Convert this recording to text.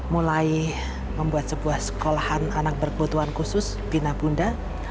mulai membuat sebuah sekolahan anak berkebutuhan khusus bina bunda